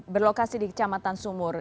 berlokasi di kecamatan sungur